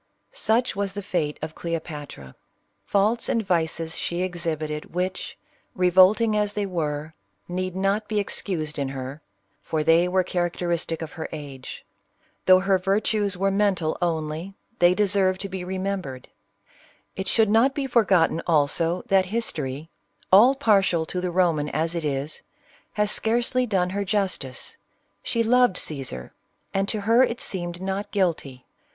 Such was the fate of Cleopatra. ^Faults and vices she exhibited, which, revolting as they were, need not be excused in her, for they were characteristic of her age. Though her virtues were mental only, they deserve to be remembered. It should not be forgotten also, that History — all partial to the Roman as it is — has scarcely done her justice. She loved Cajsar. and to her it seemed not guilty.